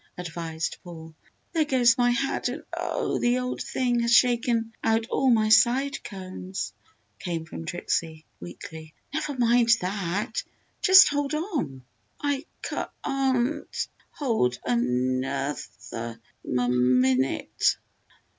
advised Paul. "There goes my hat and oh! the old thing has shaken out all my side combs!" came from Trixie, weakly. "Never mind that just hold on!" "I ca an t hold ano oth er m m min ute!"